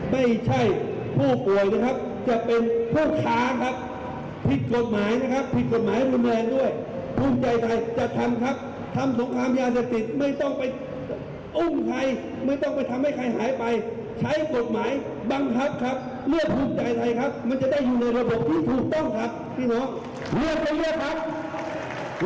มันจะได้อยู่ในระบบที่ถูกต้องครับพี่หนูเลือกไปเลือกครับ